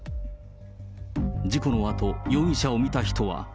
事故のあと容疑者を見た人は。